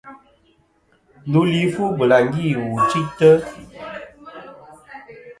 Ndu li fu bɨlàŋgi wù chɨytɨ.